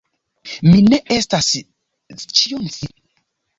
Mi ne estas ĉionsciulo, nek ĉiosciulo.